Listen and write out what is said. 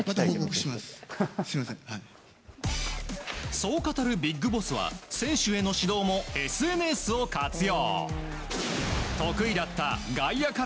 そう語るビッグボスは選手への指導もＳＮＳを活用。